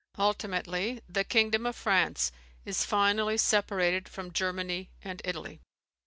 Ultimately, the kingdom of France is finally separated from Germany and Italy.